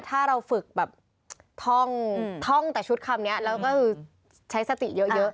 ถ้าเราฝึกแบบท่องแต่ชุดคำนี้แล้วก็คือใช้สติเยอะ